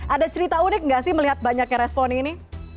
ada cerita unik nggak sih melihat banyaknya respon ini